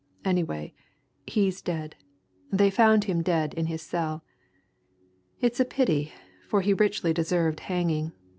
Anyway, he's dead they found him dead in his cell. It's a pity for he richly deserved hanging.